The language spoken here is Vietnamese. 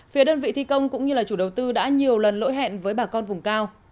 phía đơn vị thi công cũng như là chủ đầu tư đã nhiều lần lỗi hẹn với bà con vùng cao